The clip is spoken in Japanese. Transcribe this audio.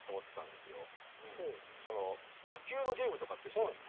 野球のゲームとかって知ってます？